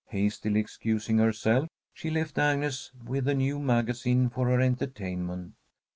Hastily excusing herself, she left Agnes with a new magazine for her entertainment.